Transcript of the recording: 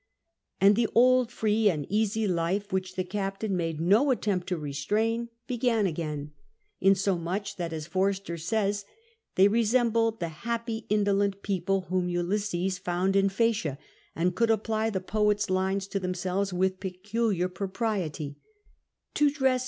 And the old free and easy life which the captain made no attempt to restrain began again, insomuch that, as Forster says, ' they resembled the happy indolent people whom Ulysses found in Phucacia, and could apply the poet's lines to themselves with (Kiculiar propriety —' To dres!?